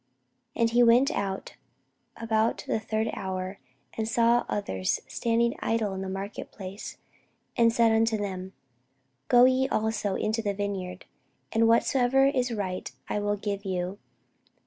And he went out about the third hour, and saw others standing idle in the marketplace, and said unto them; Go ye also into the vineyard, and whatsoever is right I will give you.